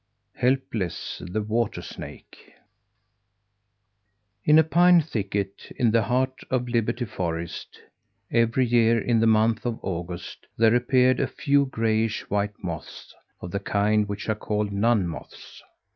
HELPLESS, THE WATER SNAKE In a pine thicket in the heart of Liberty Forest, every year, in the month of August, there appeared a few grayish white moths of the kind which are called nun moths.